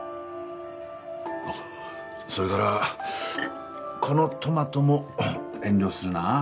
あっそれからこのトマトも遠慮するな。